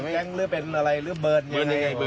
เป็นแกงหรือเป็นอะไรหรือเบิร์นยังไง